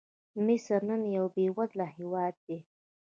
مصر نن یو بېوزله هېواد دی.